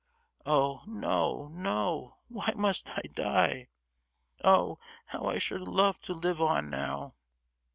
Oh no, no! why must I die? oh how I should love to live on now.